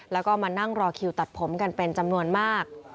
แล้วก็มานั่งรอคิวตัดผมกันเป็นจำนวนมาก